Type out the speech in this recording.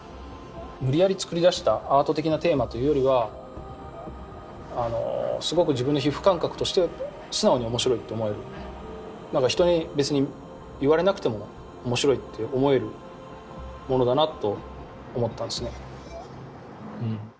無理やり作り出したアート的なテーマというよりはすごく自分の皮膚感覚として素直に面白いと思える人に別に言われなくても面白いって思えるものだなと思ったんですね。